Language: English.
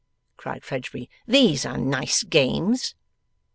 cried Fledgeby. 'These are nice games!